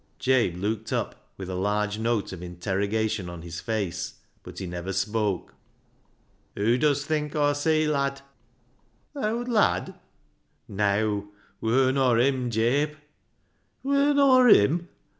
Jabe looked up with a large note of interroga tion on his face, but he never spoke. " Whoa dust think Aw see, lad ?"" Th' owd lad ?"" Neaw ; wur nor him, Jabe." " Wur nor him ?